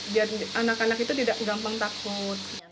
biar anak anak itu tidak gampang takut